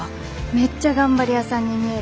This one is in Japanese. メッチャ頑張り屋さんに見える。